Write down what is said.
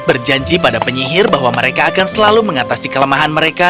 berjanji pada penyihir bahwa mereka akan selalu mengatasi kelemahan mereka